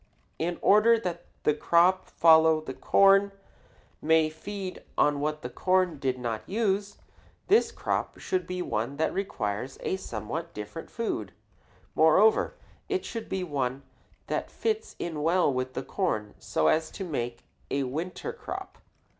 In order that the crop following the corn may feed on what the corn did not use, this crop should be one that requires a somewhat different food. Moreover, it should be one that fits in well with corn so as to make a winter crop.